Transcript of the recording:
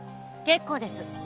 結構です